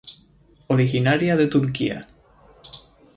Originaria de Turquía.